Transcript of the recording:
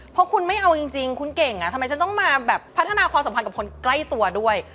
เพราะคุณไม่เอาจริงคุณเก่งทำไมฉันต้องมาแบบพัฒนาความสัมพันธ์กับคนใกล้ตัวด้วย